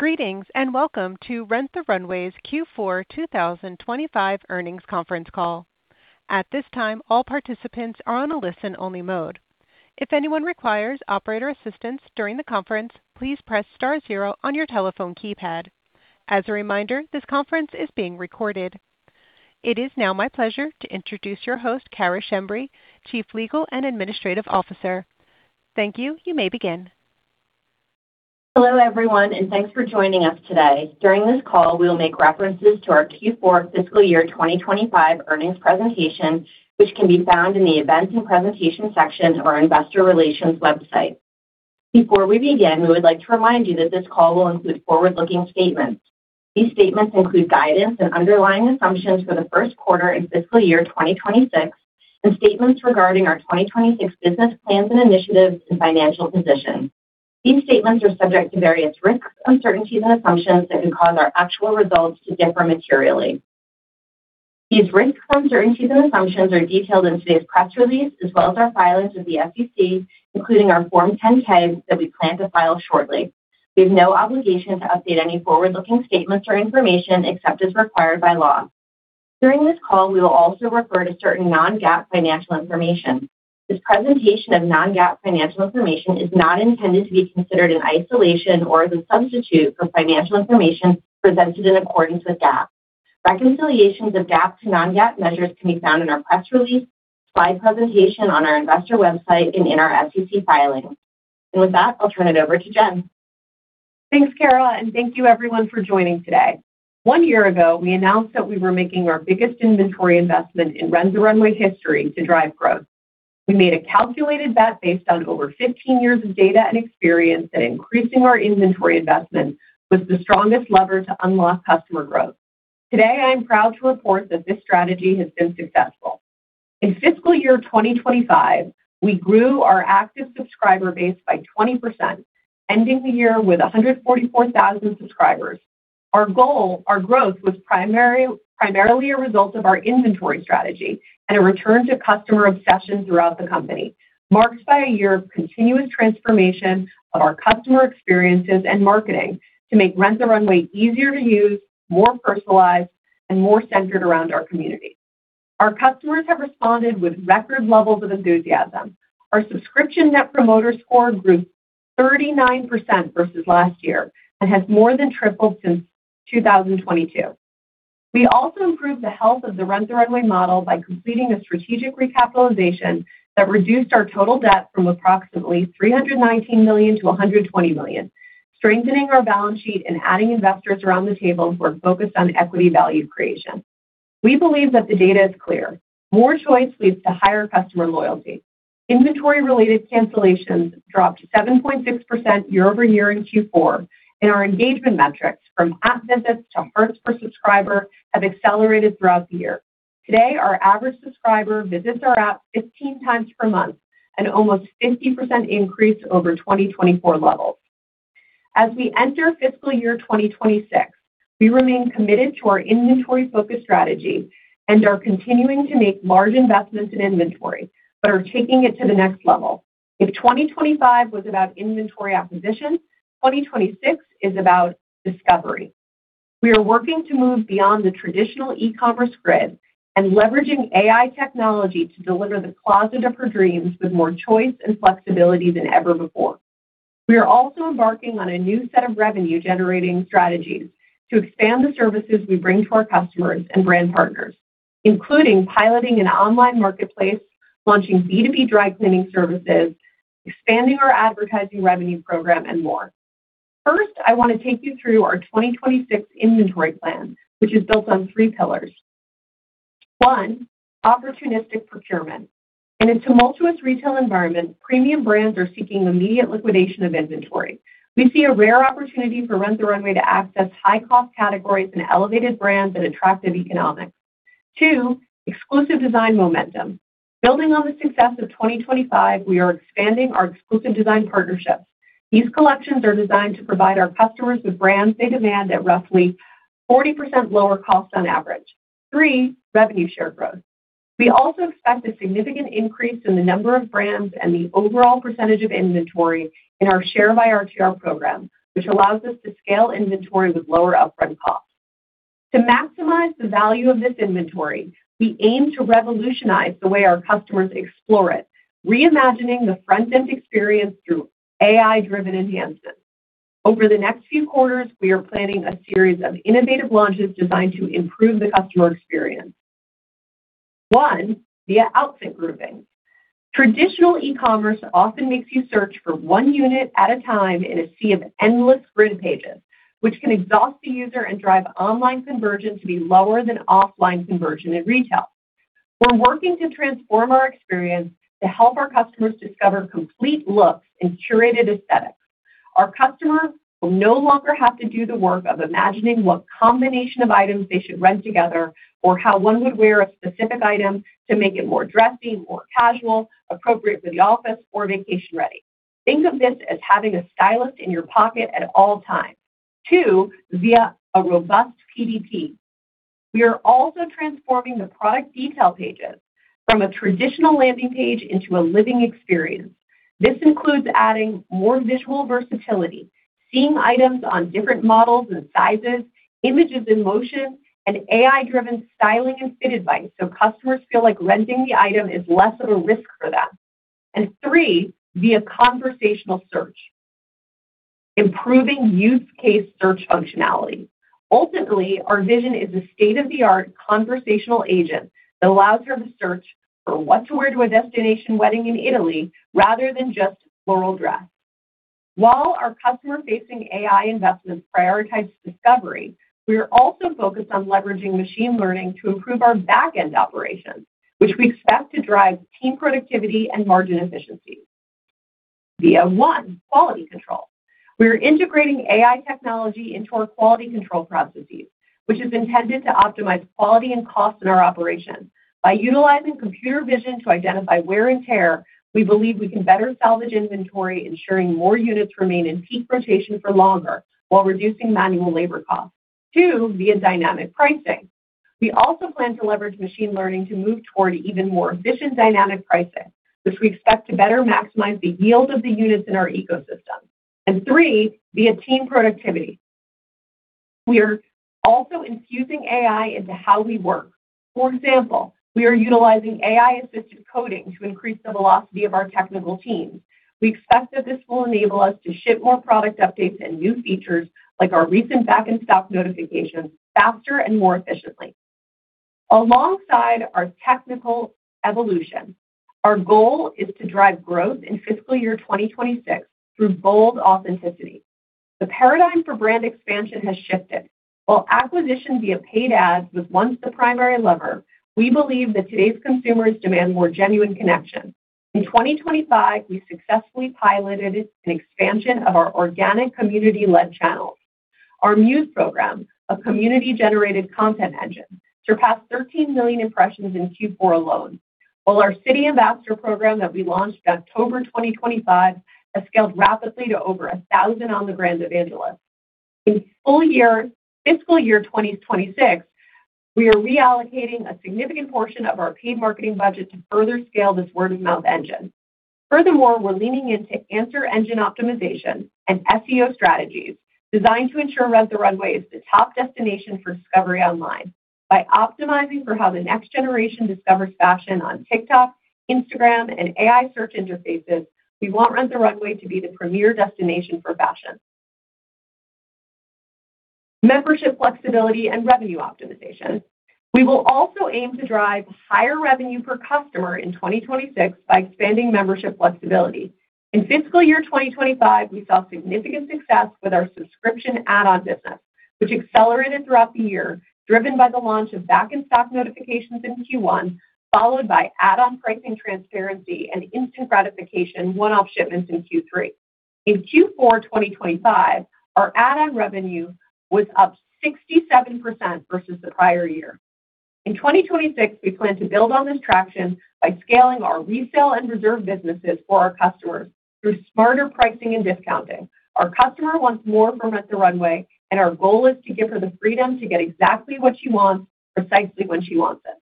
Greetings, and welcome to Rent the Runway's Q4 2025 Earnings Conference Call. At this time, all participants are on a listen-only mode. If anyone requires operator assistance during the conference, please press star zero on your telephone keypad. As a reminder, this conference is being recorded. It is now my pleasure to introduce your host, Cara Schembri, Chief Legal and Administrative Officer. Thank you. You may begin. Hello, everyone. Thanks for joining us today. During this call, we'll make references to our Q4 fiscal year 2025 earnings presentation, which can be found in the Events and Presentation section of our investor relations website. Before we begin, we would like to remind you that this call will include forward-looking statements. These statements include guidance and underlying assumptions for the first quarter and fiscal year 2026, and statements regarding our 2026 business plans and initiatives and financial position. These statements are subject to various risks, uncertainties, and assumptions that could cause our actual results to differ materially. These risks, uncertainties, and assumptions are detailed in today's press release, as well as our filings with the SEC, including our Form 10-K that we plan to file shortly. We have no obligation to update any forward-looking statements or information except as required by law. During this call, we will also refer to certain non-GAAP financial information. This presentation of non-GAAP financial information is not intended to be considered in isolation or as a substitute for financial information presented in accordance with GAAP. Reconciliations of GAAP to non-GAAP measures can be found in our press release, slide presentation on our investor website, and in our SEC filings. With that, I'll turn it over to Jen. Thanks, Cara. Thank you everyone for joining today. One year ago, we announced that we were making our biggest inventory investment in Rent the Runway history to drive growth. We made a calculated bet based on over 15 years of data and experience that increasing our inventory investment was the strongest lever to unlock customer growth. Today, I am proud to report that this strategy has been successful. In fiscal year 2025, we grew our active subscriber base by 20%, ending the year with 144,000 subscribers. Our goal, our growth was primarily a result of our inventory strategy and a return to customer obsession throughout the company, marked by a year of continuous transformation of our customer experiences and marketing to make Rent the Runway easier to use, more personalized, and more centered around our community. Our customers have responded with record levels of enthusiasm. Our subscription Net Promoter Score grew 39% versus last year and has more than tripled since 2022. We also improved the health of the Rent the Runway model by completing a strategic recapitalization that reduced our total debt from approximately $319 million to $120 million, strengthening our balance sheet and adding investors around the table who are focused on equity value creation. We believe that the data is clear. More choice leads to higher customer loyalty. Inventory-related cancellations dropped 7.6% year-over-year in Q4, and our engagement metrics from app visits to hearts per subscriber have accelerated throughout the year. Today, our average subscriber visits our app 15 times per month, an almost 50% increase over 2024 levels. As we enter fiscal year 2026, we remain committed to our inventory-focused strategy and are continuing to make large investments in inventory but are taking it to the next level. If 2025 was about inventory acquisition, 2026 is about discovery. We are working to move beyond the traditional e-commerce grid and leveraging AI technology to deliver the closet of her dreams with more choice and flexibility than ever before. We are also embarking on a new set of revenue-generating strategies to expand the services we bring to our customers and brand partners, including piloting an online marketplace, launching B2B dry cleaning services, expanding our advertising revenue program, and more. First, I want to take you through our 2026 inventory plan, which is built on three pillars. One, opportunistic procurement. In a tumultuous retail environment, premium brands are seeking immediate liquidation of inventory. We see a rare opportunity for Rent the Runway to access high-cost categories and elevated brands at attractive economics. Two, exclusive design momentum. Building on the success of 2025, we are expanding our exclusive design partnerships. These collections are designed to provide our customers with brands they demand at roughly 40% lower cost on average. Three, revenue share growth. We also expect a significant increase in the number of brands and the overall percentage of inventory in our Share by RTR program, which allows us to scale inventory with lower upfront costs. To maximize the value of this inventory, we aim to revolutionize the way our customers explore it, reimagining the front-end experience through AI-driven enhancements. Over the next few quarters, we are planning a series of innovative launches designed to improve the customer experience. One, via outfit grouping. Traditional e-commerce often makes you search for one unit at a time in a sea of endless grid pages, which can exhaust the user and drive online conversion to be lower than offline conversion in retail. We're working to transform our experience to help our customers discover complete looks in curated aesthetics. Our customers will no longer have to do the work of imagining what combination of items they should rent together or how one would wear a specific item to make it more dressy, more casual, appropriate for the office, or vacation-ready. Think of this as having a stylist in your pocket at all times. Two, via a robust PDP, we are also transforming the product detail pages from a traditional landing page into a living experience. This includes adding more visual versatility, seeing items on different models and sizes, images in motion, and AI-driven styling and fit advice, so customers feel like renting the item is less of a risk for them. Three, via conversational search, improving use case search functionality. Ultimately, our vision is a state-of-the-art conversational agent that allows her to search for what to wear to a destination wedding in Italy rather than just floral dress. While our customer-facing AI investment prioritizes discovery, we are also focused on leveraging machine learning to improve our back-end operations, which we expect to drive team productivity and margin efficiency. Via one, quality control. We are integrating AI technology into our quality control processes, which is intended to optimize quality and cost in our operations. By utilizing computer vision to identify wear and tear, we believe we can better salvage inventory, ensuring more units remain in peak rotation for longer, while reducing manual labor costs. Two, via dynamic pricing. We also plan to leverage machine learning to move toward even more efficient dynamic pricing, which we expect to better maximize the yield of the units in our ecosystem. Three, via team productivity. We are also infusing AI into how we work. For example, we are utilizing AI-assisted coding to increase the velocity of our technical teams. We expect that this will enable us to ship more product updates and new features, like our recent back-in-stock notifications, faster and more efficiently. Alongside our technical evolution, our goal is to drive growth in fiscal year 2026 through bold authenticity. The paradigm for brand expansion has shifted. While acquisition via paid ads was once the primary lever, we believe that today's consumers demand more genuine connection. In 2025, we successfully piloted an expansion of our organic community-led channels. Our Muse program, a community-generated content engine, surpassed 13 million impressions in Q4 alone, while our City Ambassador program that we launched in October 2025 has scaled rapidly to over 1,000 on-the-ground evangelists. In full year, fiscal year 2026, we are reallocating a significant portion of our paid marketing budget to further scale this word-of-mouth engine. Furthermore, we're leaning into Answer Engine Optimization and SEO strategies designed to ensure Rent the Runway is the top destination for discovery online. By optimizing for how the next generation discovers fashion on TikTok, Instagram, and AI search interfaces, we want Rent the Runway to be the premier destination for fashion. Membership flexibility and revenue optimization. We will also aim to drive higher revenue per customer in 2026 by expanding membership flexibility. In fiscal year 2025, we saw significant success with our subscription add-on business, which accelerated throughout the year, driven by the launch of back-in-stock notifications in Q1, followed by add-on pricing transparency and instant gratification one-off shipments in Q3. In Q4 2025, our add-on revenue was up 67% versus the prior year. In 2026, we plan to build on this traction by scaling our Resale and Reserve businesses for our customers through smarter pricing and discounting. Our customer wants more from Rent the Runway, and our goal is to give her the freedom to get exactly what she wants, precisely when she wants it.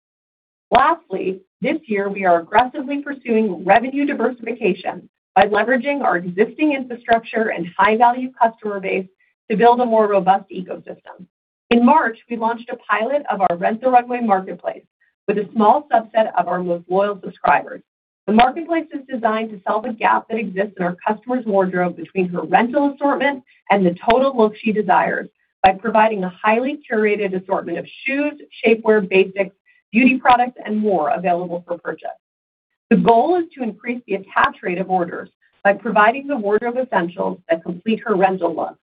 Lastly, this year, we are aggressively pursuing revenue diversification by leveraging our existing infrastructure and high-value customer base to build a more robust ecosystem. In March, we launched a pilot of our Rent the Runway marketplace with a small subset of our most loyal subscribers. The marketplace is designed to solve a gap that exists in our customer's wardrobe between her rental assortment and the total look she desires by providing a highly curated assortment of shoes, shapewear, basics, beauty products, and more available for purchase. The goal is to increase the attach rate of orders by providing the wardrobe essentials that complete her rental look.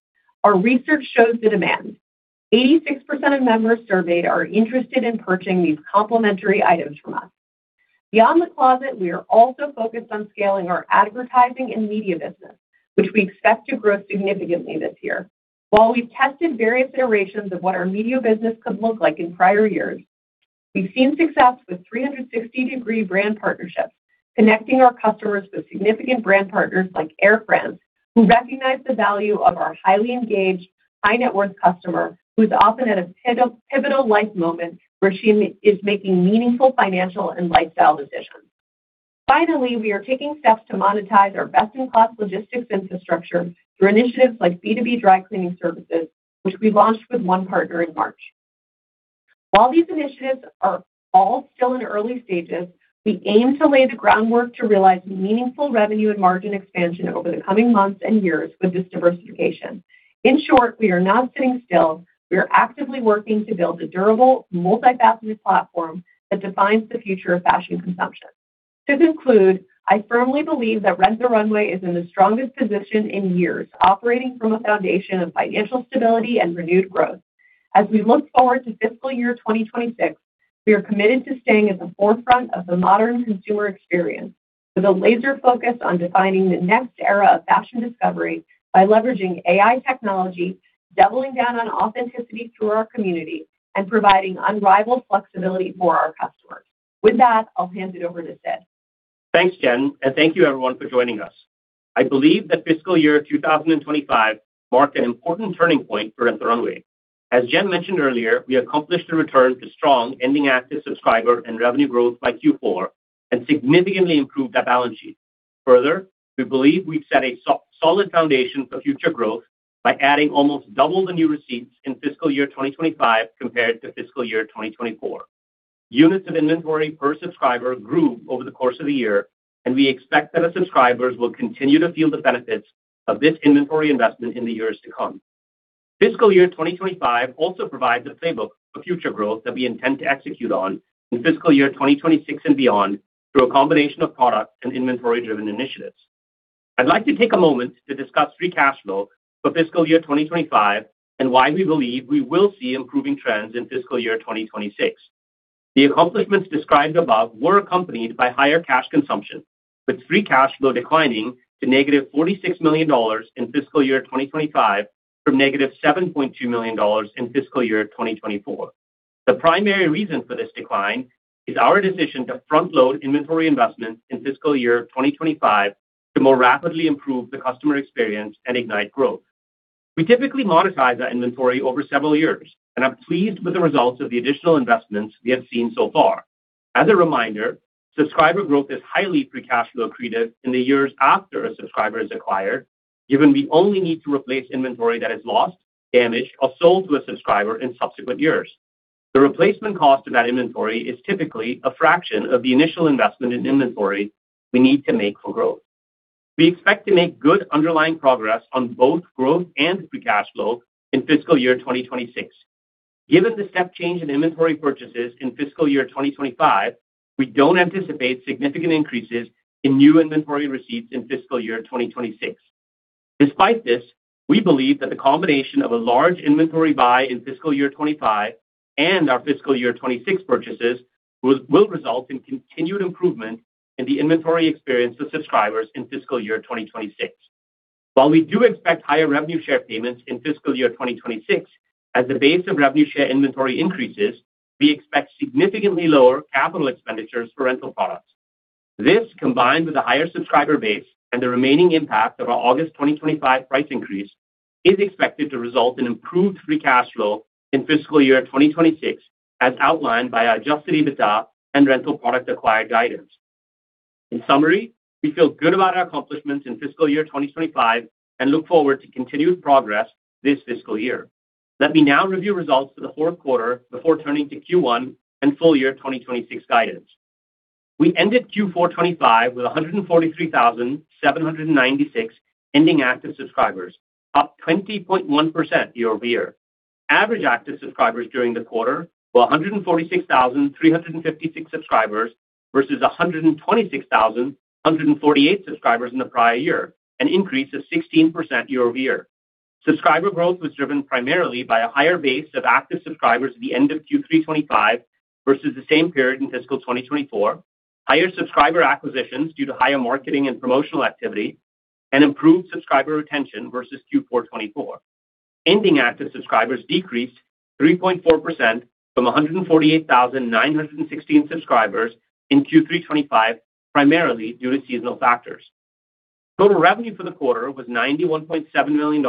Our research shows the demand. 86% of members surveyed are interested in purchasing these complimentary items from us. Beyond the closet, we are also focused on scaling our advertising and media business, which we expect to grow significantly this year. While we've tested various iterations of what our media business could look like in prior years, we've seen success with 360-degree brand partnerships, connecting our customers with significant brand partners like Air France, who recognize the value of our highly engaged, high-net-worth customer who's often at a pivotal life moment where she is making meaningful financial and lifestyle decisions. Finally, we are taking steps to monetize our best-in-class logistics infrastructure through initiatives like B2B dry cleaning services, which we launched with one partner in March. While these initiatives are all still in the early stages, we aim to lay the groundwork to realize meaningful revenue and margin expansion over the coming months and years with this diversification. In short, we are not sitting still. We are actively working to build a durable, multifaceted platform that defines the future of fashion consumption. To conclude, I firmly believe that Rent the Runway is in the strongest position in years, operating from a foundation of financial stability and renewed growth. As we look forward to fiscal year 2026, we are committed to staying at the forefront of the modern consumer experience with a laser focus on defining the next era of fashion discovery by leveraging AI technology, doubling down on authenticity through our community, and providing unrivaled flexibility for our customer. With that, I'll hand it over to Sid. Thanks, Jen, and thank you everyone for joining us. I believe that fiscal year 2025 marked an important turning point for Rent the Runway. As Jen mentioned earlier, we accomplished a return to strong ending active subscriber and revenue growth by Q4 and significantly improved our balance sheet. Further, we believe we've set a solid foundation for future growth by adding almost double the new receipts in fiscal year 2025 compared to fiscal year 2024. Units of inventory per subscriber grew over the course of the year, and we expect that our subscribers will continue to feel the benefits of this inventory investment in the years to come. Fiscal year 2025 also provides a playbook for future growth that we intend to execute on in fiscal year 2026 and beyond, through a combination of product and inventory-driven initiatives. I'd like to take a moment to discuss free cash flow for fiscal year 2025 and why we believe we will see improving trends in fiscal year 2026. The accomplishments described above were accompanied by higher cash consumption, with free cash flow declining to -$46 million in fiscal year 2025 from -$7.2 million in fiscal year 2024. The primary reason for this decline is our decision to front-load inventory investments in fiscal year 2025 to more rapidly improve the customer experience and ignite growth. We typically monetize that inventory over several years, and I'm pleased with the results of the additional investments we have seen so far. As a reminder, subscriber growth is highly free cash flow accretive in the years after a subscriber is acquired, given we only need to replace inventory that is lost, damaged, or sold to a subscriber in subsequent years. The replacement cost of that inventory is typically a fraction of the initial investment in inventory we need to make for growth. We expect to make good underlying progress on both growth and free cash flow in fiscal year 2026. Given the step change in inventory purchases in fiscal year 2025, we don't anticipate significant increases in new inventory receipts in fiscal year 2026. Despite this, we believe that the combination of a large inventory buy in fiscal year 2025 and our fiscal year 2026 purchases will result in continued improvement in the inventory experience of subscribers in fiscal year 2026. While we do expect higher revenue share payments in fiscal year 2026 as the base of revenue share inventory increases, we expect significantly lower capital expenditures for rental products. This, combined with a higher subscriber base and the remaining impact of our August 2025 price increase, is expected to result in improved free cash flow in fiscal year 2026, as outlined by our adjusted EBITDA and Rental Product Acquired guidance. In summary, we feel good about our accomplishments in fiscal year 2025 and look forward to continued progress this fiscal year. Let me now review results for the fourth quarter before turning to Q1 and full year 2026 guidance. We ended Q4 2025 with 143,796 ending active subscribers, up 20.1% year-over-year. Average active subscribers during the quarter were 146,356 subscribers versus 126,148 subscribers in the prior year, an increase of 16% year-over-year. Subscriber growth was driven primarily by a higher base of active subscribers at the end of Q3 2025 versus the same period in fiscal 2024, higher subscriber acquisitions due to higher marketing and promotional activity, and improved subscriber retention versus Q4 2024. Ending active subscribers decreased 3.4% from 148,916 subscribers in Q3 2025, primarily due to seasonal factors. Total revenue for the quarter was $91.7 million,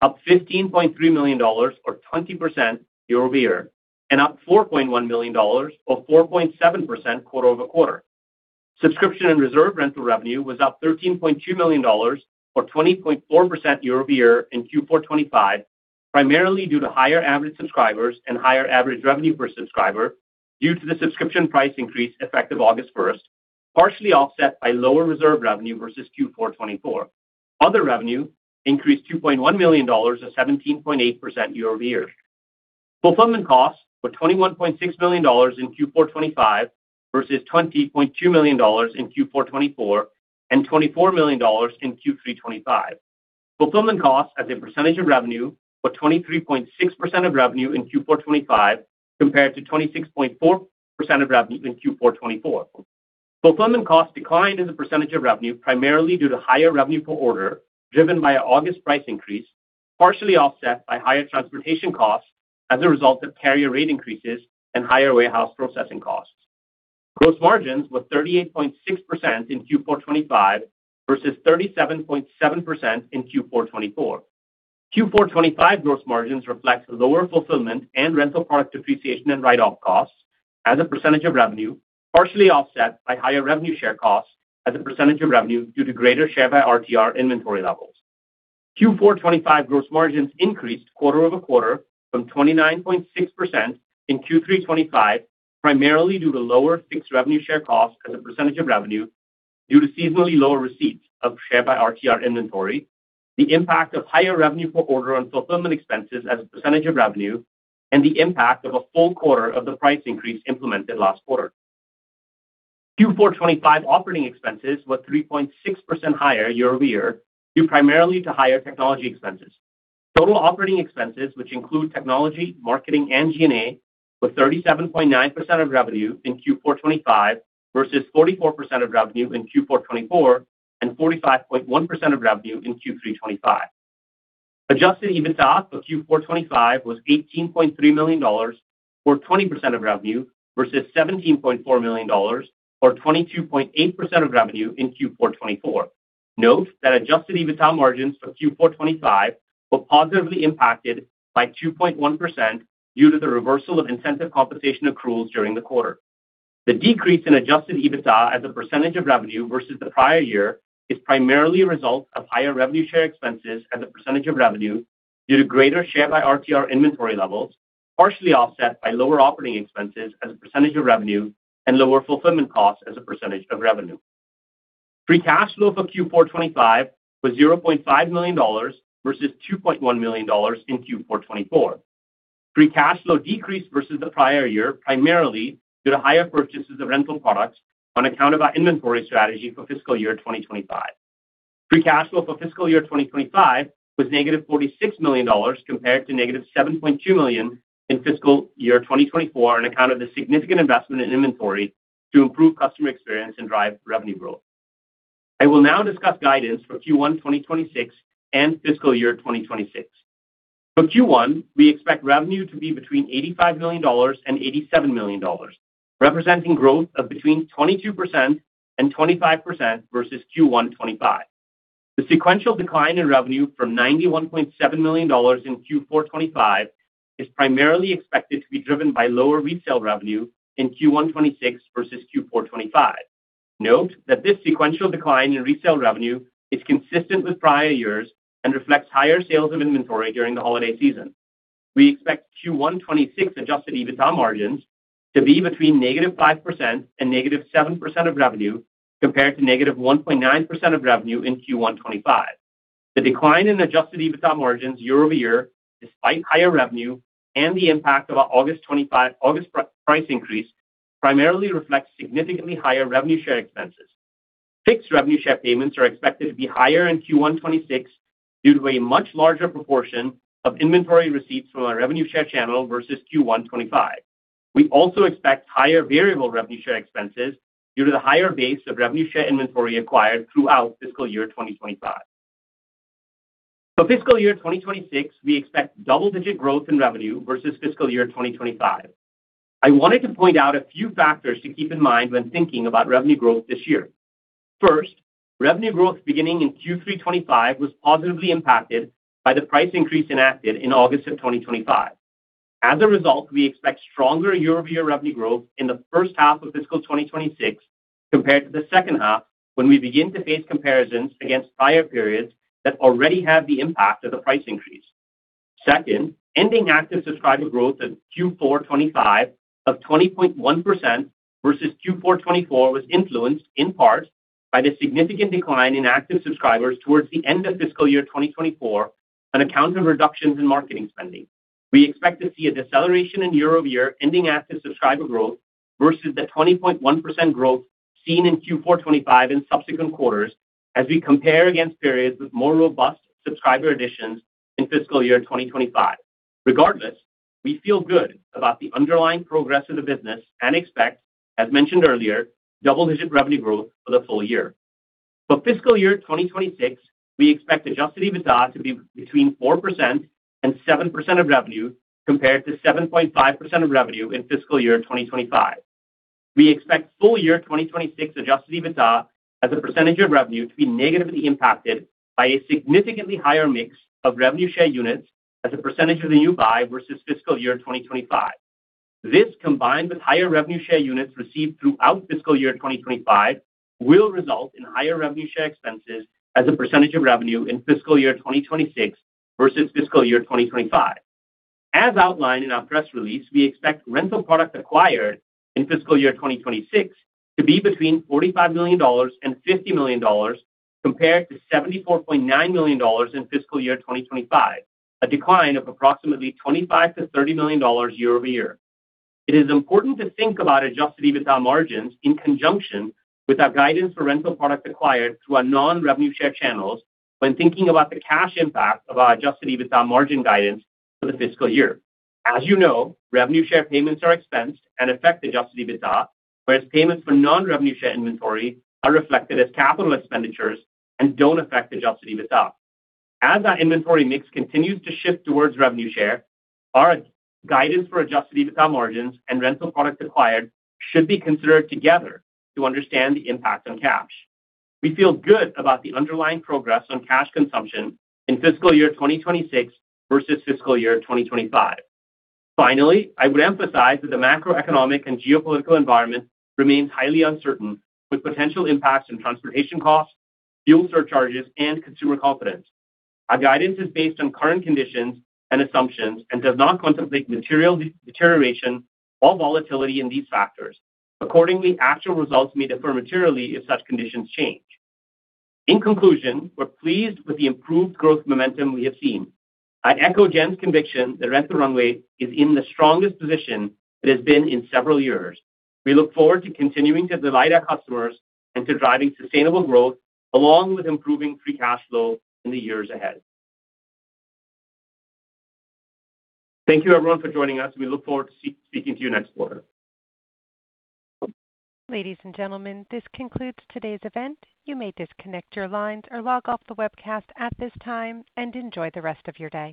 up $15.3 million or 20% year-over-year, and up $4.1 million or 4.7% quarter-over-quarter. Subscription and Reserve rental revenue was up $13.2 million or 20.4% year-over-year in Q4 2025, primarily due to higher average subscribers and higher average revenue per subscriber due to the subscription price increase effective August 1st, partially offset by lower Reserve revenue versus Q4 2024. Other revenue increased $2.1 million, or 17.8% year-over-year. Fulfillment costs were $21.6 million in Q4 2025 versus $20.2 million in Q4 2024 and $24 million in Q3 2025. Fulfillment costs as a percentage of revenue were 23.6% of revenue in Q4 2025 compared to 26.4% of revenue in Q4 2024. Fulfillment costs declined as a percentage of revenue, primarily due to higher revenue per order, driven by an August price increase, partially offset by higher transportation costs as a result of carrier rate increases and higher warehouse processing costs. Gross margins were 38.6% in Q4 2025 versus 37.7% in Q4 2024. Q4 2025 gross margins reflect lower fulfillment and rental product depreciation and write-off costs as a percentage of revenue, partially offset by higher revenue share costs as a percentage of revenue due to greater Share by RTR inventory levels. Q4 2025 gross margins increased quarter-over-quarter from 29.6% in Q3 2025, primarily due to lower fixed revenue share costs as a percentage of revenue due to seasonally lower receipts of Share by RTR inventory, the impact of higher revenue per order on fulfillment expenses as a percentage of revenue, and the impact of a full quarter of the price increase implemented last quarter. Q4 2025 operating expenses were 3.6% higher year-over-year, due primarily to higher technology expenses. Total operating expenses, which include technology, marketing, and G&A, were 37.9% of revenue in Q4 2025 versus 44% of revenue in Q4 2024 and 45.1% of revenue in Q3 2025. Adjusted EBITDA for Q4 2025 was $18.3 million, or 20% of revenue, versus $17.4 million, or 22.8% of revenue in Q4 2024. Note that adjusted EBITDA margins for Q4 2025 were positively impacted by 2.1% due to the reversal of incentive compensation accruals during the quarter. The decrease in Adjusted EBITDA as a percentage of revenue versus the prior year is primarily a result of higher revenue share expenses as a percentage of revenue due to greater Share by RTR inventory levels, partially offset by lower operating expenses as a percentage of revenue and lower fulfillment costs as a percentage of revenue. Free cash flow for Q4 2025 was $0.5 million versus $2.1 million in Q4 2024. Free cash flow decreased versus the prior year, primarily due to higher purchases of rental products on account of our inventory strategy for fiscal year 2025. Free cash flow for fiscal year 2025 was -$46 million, compared to -$7.2 million in fiscal year 2024 on account of the significant investment in inventory to improve customer experience and drive revenue growth. I will now discuss guidance for Q1 2026 and fiscal year 2026. For Q1, we expect revenue to be between $85 million and $87 million, representing growth of between 22% and 25% versus Q1 2025. The sequential decline in revenue from $91.7 million in Q4 2025 is primarily expected to be driven by lower resale revenue in Q1 2026 versus Q4 2025. Note that this sequential decline in resale revenue is consistent with prior years and reflects higher sales of inventory during the holiday season. We expect Q1 2026 adjusted EBITDA margins to be between -5% and -7% of revenue, compared to -1.9% of revenue in Q1 2025. The decline in adjusted EBITDA margins year-over-year, despite higher revenue and the impact of our August price increase, primarily reflects significantly higher revenue share expenses. Fixed revenue share payments are expected to be higher in Q1 2025 due to a much larger proportion of inventory receipts from our revenue share channel versus Q1 2025. We also expect higher variable revenue share expenses due to the higher base of revenue share inventory acquired throughout fiscal year 2025. For fiscal year 2026, we expect double-digit growth in revenue versus fiscal year 2025. I wanted to point out a few factors to keep in mind when thinking about revenue growth this year. First, revenue growth beginning in Q3 2025 was positively impacted by the price increase enacted in August of 2025. As a result, we expect stronger year-over-year revenue growth in the first half of fiscal 2026 compared to the second half, when we begin to face comparisons against prior periods that already have the impact of the price increase. Second, ending active subscriber growth at Q4 2025 of 20.1% versus Q4 2024 was influenced in part by the significant decline in active subscribers towards the end of fiscal year 2024 on account of reductions in marketing spending. We expect to see a deceleration in year-over-year ending active subscriber growth versus the 20.1% growth seen in Q4 2025 in subsequent quarters as we compare against periods with more robust subscriber additions in fiscal year 2025. Regardless, we feel good about the underlying progress of the business and expect, as mentioned earlier, double-digit revenue growth for the full year. For fiscal year 2026, we expect Adjusted EBITDA to be between 4% and 7% of revenue, compared to 7.5% of revenue in fiscal year 2025. We expect full year 2026 adjusted EBITDA as a percentage of revenue to be negatively impacted by a significantly higher mix of revenue share units as a percentage of the new buy versus fiscal year 2025. This, combined with higher revenue share units received throughout fiscal year 2025, will result in higher revenue share expenses as a percentage of revenue in fiscal year 2026 versus fiscal year 2025. As outlined in our press release, we expect Rental Product Acquired in fiscal year 2026 to be between $45 million and $50 million, compared to $74.9 million in fiscal year 2025, a decline of approximately $25 million-$30 million year-over-year. It is important to think about adjusted EBITDA margins in conjunction with our guidance for Rental Product Acquired through our non-revenue share channels when thinking about the cash impact of our adjusted EBITDA margin guidance for the fiscal year. As you know, revenue share payments are expensed and affect adjusted EBITDA, whereas payments for non-revenue share inventory are reflected as capital expenditures and don't affect adjusted EBITDA. As our inventory mix continues to shift towards revenue share, our guidance for adjusted EBITDA margins and Rental Products Acquired should be considered together to understand the impact on cash. We feel good about the underlying progress on cash consumption in fiscal year 2026 versus fiscal year 2025. Finally, I would emphasize that the macroeconomic and geopolitical environment remains highly uncertain, with potential impacts on transportation costs, fuel surcharges, and consumer confidence. Our guidance is based on current conditions and assumptions and does not contemplate material deterioration or volatility in these factors. Accordingly, actual results may differ materially if such conditions change. In conclusion, we're pleased with the improved growth momentum we have seen. I echo Jen's conviction that Rent the Runway is in the strongest position it has been in several years. We look forward to continuing to delight our customers and to driving sustainable growth along with improving free cash flow in the years ahead. Thank you, everyone, for joining us. We look forward to speaking to you next quarter. Ladies and gentlemen, this concludes today's event. You may disconnect your lines or log off the webcast at this time, and enjoy the rest of your day.